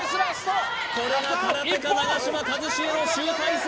これが空手家長嶋一茂の集大成！